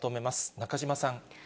中島さん。